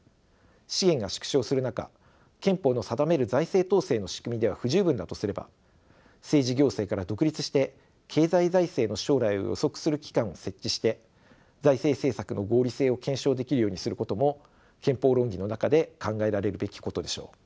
資源が縮小する中憲法の定める財政統制の仕組みでは不十分だとすれば政治・行政から独立して経済・財政の将来を予測する機関を設置して財政政策の合理性を検証できるようにすることも憲法論議の中で考えられるべきことでしょう。